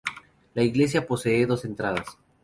La iglesia posee dos entradas.